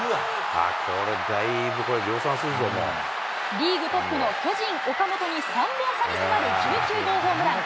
リーグトップの巨人、岡本に３本差に迫る１９号ホームラン。